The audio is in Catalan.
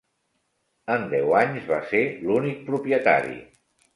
En deu anys va ser l'únic propietari.